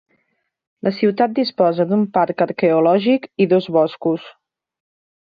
La ciutat disposa d'un parc arqueològic i dos boscos.